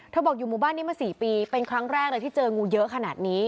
บอกอยู่หมู่บ้านนี้มา๔ปีเป็นครั้งแรกเลยที่เจองูเยอะขนาดนี้